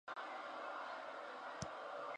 Franks los productores de esta.